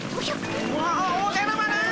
わあおじゃる丸！